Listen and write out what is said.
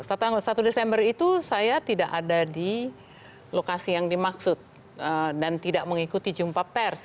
saat itu saya tidak ada di lokasi yang dimaksud dan tidak mengikuti jumpa pers